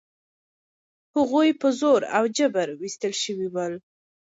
هغوی په زور او جبر ویستل شوي ول.